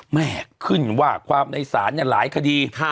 แม่ขึ้นว่าความในศาลหลายคดี